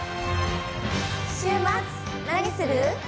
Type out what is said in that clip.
週末何する？